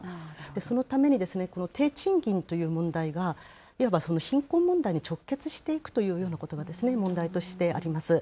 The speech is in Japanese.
そのためにこの低賃金という問題が、いわばその貧困問題に直結していくというようなことが、問題としてあります。